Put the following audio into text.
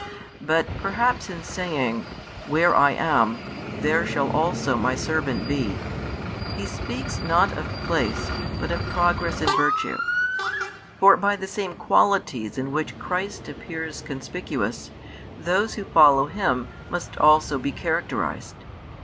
But perhaps in saying: where I am, there shall also My servant be, He speaks not of place, but of progress in virtue. For by the same qualities in which Christ appeared conspicuous, those who follow Him must also be characterised.